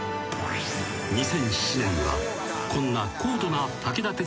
［２００７年にはこんな］